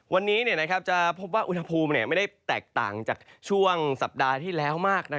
วันนี้จะพบว่าอุณหภูมิไม่ได้แตกต่างจากช่วงสัปดาห์ที่แล้วมาก